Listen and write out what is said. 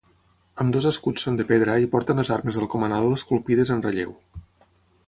Ambdós escuts són de pedra i porten les armes del comanador esculpides en relleu.